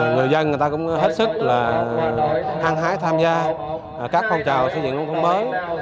người dân người ta cũng hết sức là hăng hái tham gia các phong trào xây dựng nông thôn mới